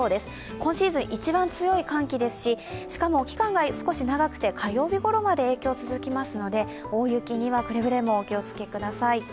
今シーズン一番強い寒気ですししかも期間が少し長くて、火曜日ごろまで影響が続きますので大雪には、くれぐれもお気をつけください。